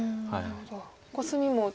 コスミも。